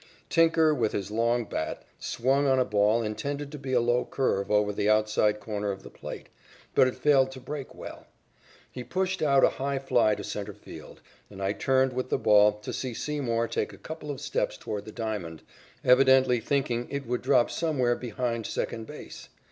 Tinker, with his long bat, swung on a ball intended to be a low curve over the outside corner of the plate, but it failed to break well. He pushed out a high fly to centre field, and I turned with the ball to see Seymour take a couple of steps toward the diamond, evidently thinking it would drop somewhere behind second base.